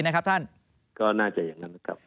ก็น่าจะอย่างนั้นครับ